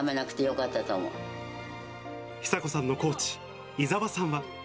久子さんのコーチ、伊沢さんは。